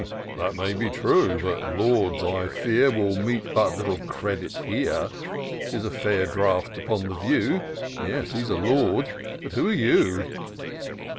" That may be true : but lords, I fear, Will meet but little credit here : 'Tis a fair draft upon the view — Yes ! he's a lord — ^but who are you